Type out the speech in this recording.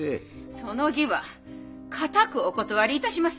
その儀は固くお断りいたします。